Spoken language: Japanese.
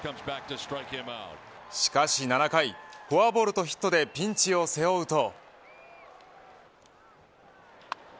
しかし７回、フォアボールとヒットでピンチを背負うと。